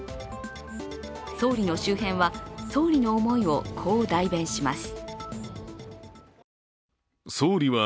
総理の周辺は総理の思いをこう代弁します。